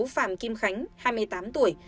phạm kim khánh hai mươi tám tuổi